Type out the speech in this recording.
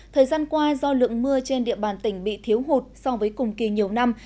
thời gian qua do lượng mưa trên địa bàn tỉnh bị thiếu hụt so với cùng kỳ nhiều năm